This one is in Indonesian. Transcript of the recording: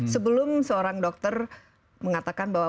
sebelum seorang dokter mengatakan bahwa